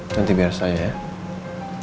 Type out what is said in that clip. nanti biar saya ya